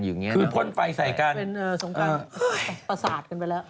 เหมือนพลไฟใส่กันโศงการปรระสาทกันไปแล้ว